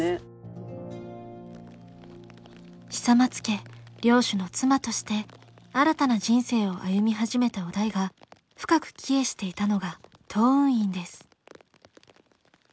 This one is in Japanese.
久松家領主の妻として新たな人生を歩み始めた於大が深く帰依していたのが洞雲院です。